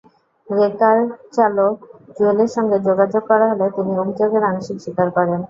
রেকারচালক জুয়েলের সঙ্গে যোগাযোগ করা হলে তিনি অভিযোগের আংশিক স্বীকার করেন।